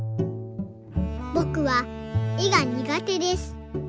「ぼくは絵が苦手です。